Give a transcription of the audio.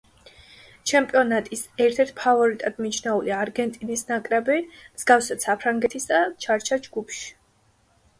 ჩემპიონატის ერთ-ერთ ფავორიტად მიჩნეული არგენტინის ნაკრები, მსგავსად საფრანგეთისა, ჩარჩა ჯგუფში.